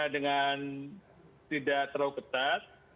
dengan tidak terlalu ketat